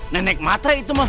nenek matre itu mah